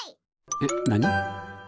えっなに？